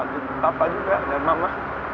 dan papa juga dan mama